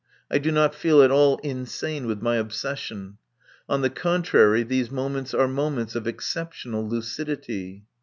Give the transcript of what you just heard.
I do not feel at all insane with my obsession. On the contrary, these moments are moments of exceptional lucidity.